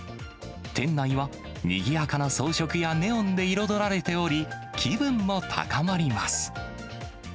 店内は、にぎやかな装飾やネオンで彩られており、気分も高まります。